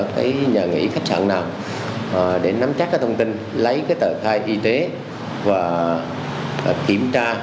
cái nhà nghỉ khách sạn nào để nắm chắc cái thông tin lấy cái tờ khai y tế và kiểm tra